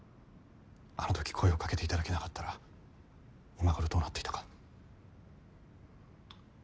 あの時声を掛けて頂けなかったら今頃どうなっていたか。